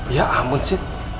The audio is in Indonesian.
ya ampun sita